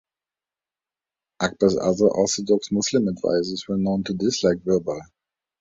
Akbar's other orthodox Muslim advisers were known to dislike Birbal.